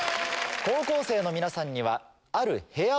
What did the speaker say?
高校生の皆さんには。